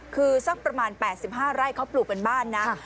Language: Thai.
คือสักประมาณแปดสิบห้าไร่เขาปลูกเป็นบ้านนะค่ะ